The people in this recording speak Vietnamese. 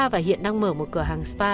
và hiện đang mở một cửa hàng spa